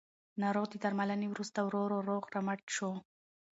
ناروغ د درملنې وروسته ورو ورو روغ رمټ شو